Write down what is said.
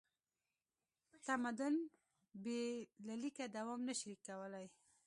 تمدن بې له لیکه دوام نه شي کولی.